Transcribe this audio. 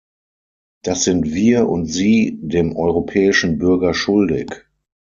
Das sind wir und Sie dem europäischen Bürger schuldig.